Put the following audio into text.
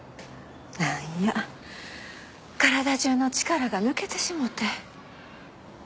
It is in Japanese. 何や体中の力が抜けてしもうて。